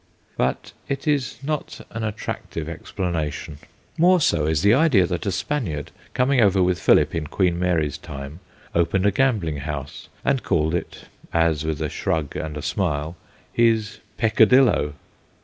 But it is not an attractive explanation. More so is the idea that a Spaniard, coming over with Philip in Queen Mary's time, opened a gambling house and called it as with a shrug and a smile his pecca dillo.